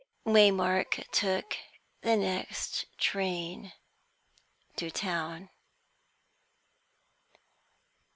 Waymark took the next train to town.